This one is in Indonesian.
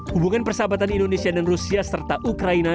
hubungan persahabatan indonesia dan rusia serta ukraina